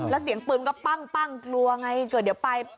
แล้วเสียงปืนก็ปั้งปั้งกลัวไงเดี๋ยวปั้งออกไป